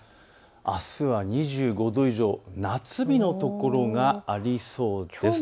あすは２５度以上、夏日の所がありそうです。